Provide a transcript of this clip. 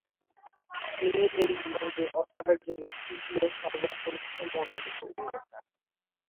তিনি এই বিভাগে অস্কারের জন্য তৃতীয় সর্বকনিষ্ঠ মনোনীত অভিনেতা।